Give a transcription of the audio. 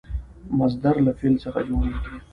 مصدر له فعل څخه جوړیږي.